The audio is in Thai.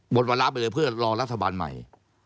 วาระไปเลยเพื่อรอรัฐบาลใหม่